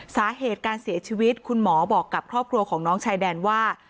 สาเหตุการเสียชีวิตคุณหมอบอกกับครอบครัวของน้องชายแดนว่า